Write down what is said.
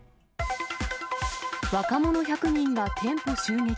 若者１００人が店舗襲撃。